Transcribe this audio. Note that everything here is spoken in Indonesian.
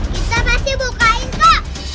kita pasti bukain bu